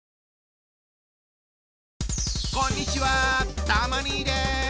こんにちはたま兄です。